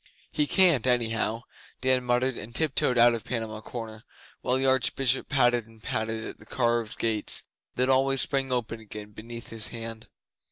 He can't, anyhow,' Dan muttered, and tiptoed out of Panama Corner while the Archbishop patted and patted at the carved gates that always sprang open again beneath his hand.